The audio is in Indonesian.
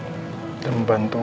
sampai jumpa di video selanjutnya